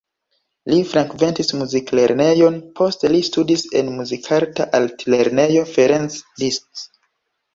Li frekventis muziklernejon, poste li studis en Muzikarta Altlernejo Ferenc Liszt.